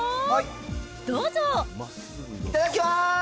いただきます！